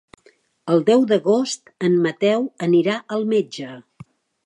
El deu d'agost en Mateu anirà al metge.